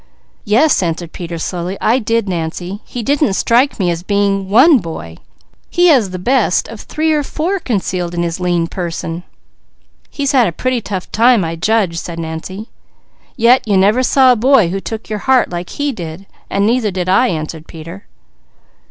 "Yes," answered Peter slowly, "I did Nancy. He didn't strike me as being one boy. He has the best of three or four concealed in his lean person." "He's had a pretty tough time, I judge," said Nancy. "Yet you never saw a boy who took your heart like he did, and neither did I," answered Peter.